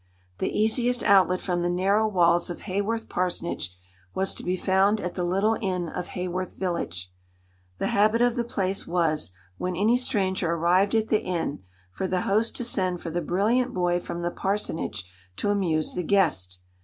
The easiest outlet from the narrow walls of Haworth parsonage was to be found at the little inn of Haworth village. The habit of the place was, when any stranger arrived at the inn, for the host to send for the brilliant boy from the parsonage to amuse the guest.